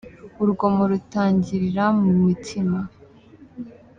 Urugomo rutangirira mu mutima